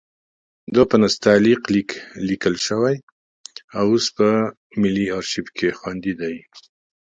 دا په نستعلیق لیک لیکل شوی اوس په ملي ارشیف کې خوندي دی.